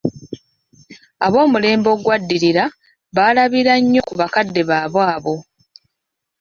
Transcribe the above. Ab'omulembe ogwaddirira baalabira nnyo ku bakadde baabwe abo.